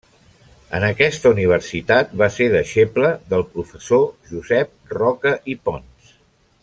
En aquesta universitat va ser deixeble del professor Josep Roca i Pons.